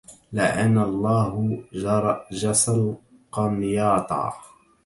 لعن الله جرجس القنياطا